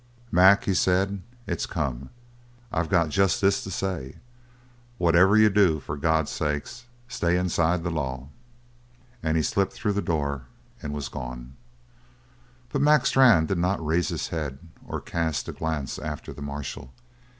"Mac," he said, "it's come. I got just this to say: whatever you do, for God's sake stay inside the law!" And he slipped through the door and was gone. But Mac Strann did not raise his head or cast a glance after the marshal.